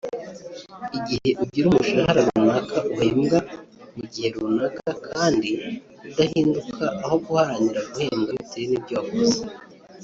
igihe ugira umushahara runaka uhembwa mu gihe runaka kandi udahinduka aho guharanira guhembwa bitewe n’ibyo wakoze